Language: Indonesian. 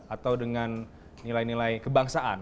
atau dengan nilai nilai kebangsaan